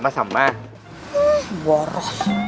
biar aku beli